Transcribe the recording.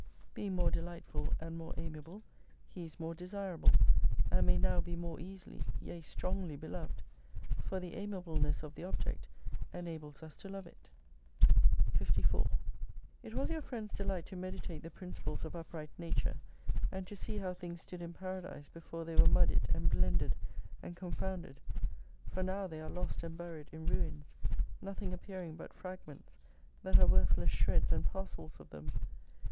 Being more delightful and more amiable, He is more desirable, and may now be more easily, yea strongly beloved : for the amiableness of the object enables us to love it. 54 It was your friend's delight to meditate the principles of upright nature, and to see how things stood in Paradise before they were muddied, and blended, and confounded. For now they are lost and buried in ruins, nothing appearing but fragments, that are worthless shreds and parcels of them.